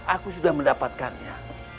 aku sudah mendapatkannya